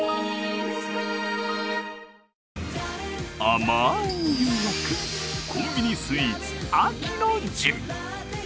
甘い誘惑、コンビニスイーツ秋の陣。